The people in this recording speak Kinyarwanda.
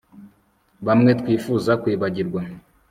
bamwe twifuza kwibagirwa